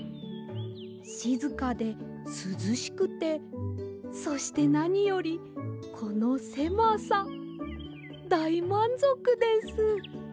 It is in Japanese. しずかですずしくてそしてなによりこのせまさだいまんぞくです。